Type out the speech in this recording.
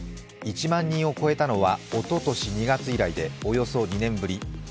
１万人を超えたのはおととし２月以来でおよそ２年ぶり。